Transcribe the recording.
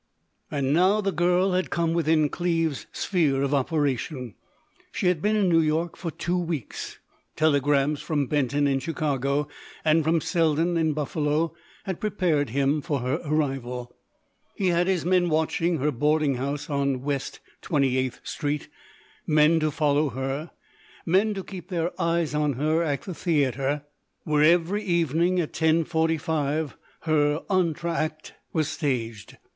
And now the girl had come within Cleves's sphere of operation. She had been in New York for two weeks. Telegrams from Benton in Chicago, and from Selden in Buffalo, had prepared him for her arrival. He had his men watching her boarding house on West Twenty eighth Street, men to follow her, men to keep their eyes on her at the theatre, where every evening, at 10:45, her entr' acte was staged.